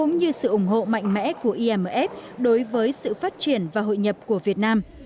ủng hộ mạnh mẽ của imf đối với sự phát triển và hội nhập của việt nam